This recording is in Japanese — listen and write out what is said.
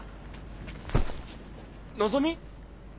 のぞみ？